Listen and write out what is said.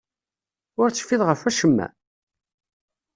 Ur tecfiḍ ɣef acemma?